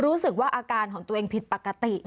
รู้สึกว่าอาการของตัวเองผิดปกติ